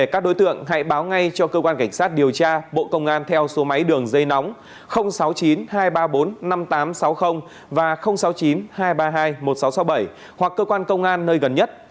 các đối tượng hãy báo ngay cho cơ quan cảnh sát điều tra bộ công an theo số máy đường dây nóng sáu mươi chín hai trăm ba mươi bốn năm nghìn tám trăm sáu mươi và sáu mươi chín hai trăm ba mươi hai một nghìn sáu trăm sáu mươi bảy hoặc cơ quan công an nơi gần nhất